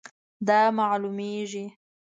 دا معلومیږي